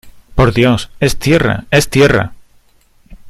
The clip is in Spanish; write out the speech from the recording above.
¡ por Dios, es tierra , es tierra!